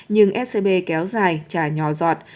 nhưng scb kéo dài trả nhỏ dọt